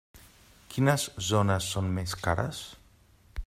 Quines zones són més cares?